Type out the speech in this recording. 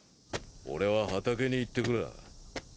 俺は畑に行ってくらぁ。